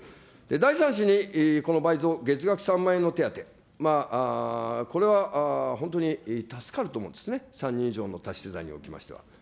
第３子にこの倍増、月額３万円の手当、これは本当に助かると思うんですね、３人以上の多子世帯におきましては。